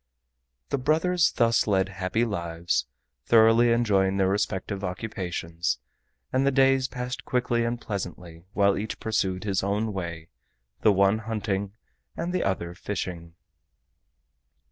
The brothers thus led happy lives, thoroughly enjoying their respective occupations, and the days passed quickly and pleasantly while each pursued his own way, the one hunting and the other fishing.